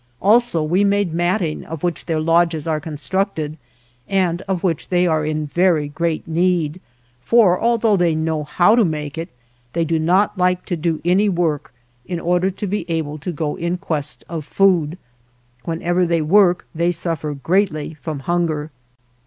113 THE JOURNEY OF Also we made matting of which their lodges are constructed and of which they are in very great need, for, although they know how to make it, they do not like to do any work, in order to be able to go in quest of food. Whenever they work they suffer greatly from hunger.